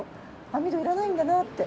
網戸いらないんだなって。